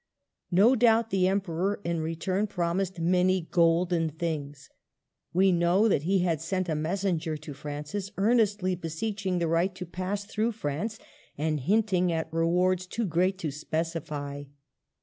No doubt the Emperor in return promised many golden things. We know that he had sent a messenger to Francis, earnestly beseech ing the right to pass through France, and hint ing at rewards too great to specify.